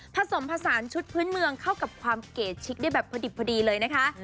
ผสมผสานชุดพื้นเมืองเข้ากับความเก๋ชิกได้แบบพอดิบพอดีเลยนะคะ